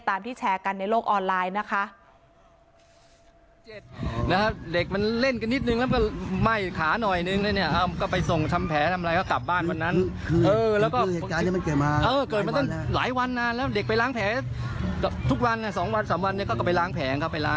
ที่แชร์กันในโลกออนไลน์นะคะ